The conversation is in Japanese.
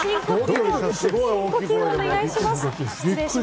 すごい大きい声。